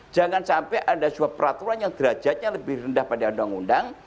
jangan sampai ada suatu peraturan yang derajatnya lebih rendah pada undang undang